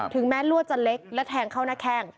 แม้ลวดจะเล็กและแทงเข้าหน้าแข้ง